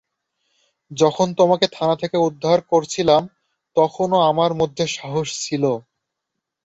যখন তোমাকে থানা থেকে উদ্ধার করছিলাম, তখনও আমার মধ্যে সাহস ছিলো।